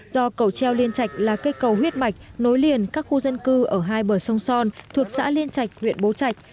do cầu treo liên trạch là cây cầu huyết mạch nối liền các khu dân cư ở hai bờ sông son thuộc xã liên trạch huyện bố trạch